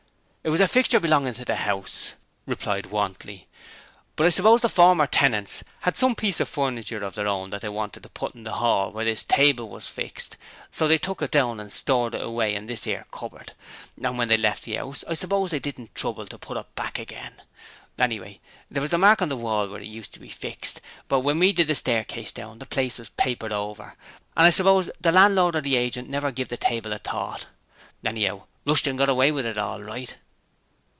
'It was a fixture belongin' to the 'ouse,' replied Wantley. 'But I suppose the former tenants had some piece of furniture of their own that they wanted to put in the 'all where this table was fixed, so they took it down and stored it away in this 'ere cupboard, and when they left the 'ouse I suppose they didn't trouble to put it back again. Anyway, there was the mark on the wall where it used to be fixed, but when we did the staircase down, the place was papered over, and I suppose the landlord or the agent never give the table a thought. Anyhow, Rushton got away with it all right.'